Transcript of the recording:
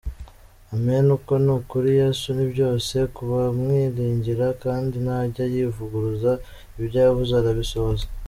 Amen uko ni ukuri Yesu nibyose kubamwiringira kdi ntajya yivuguruza ibyo yavuze arabisohoza.